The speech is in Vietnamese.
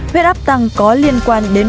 huyết áp tăng có liên quan đến